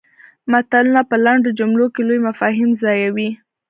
متلونه په لنډو جملو کې لوی مفاهیم ځایوي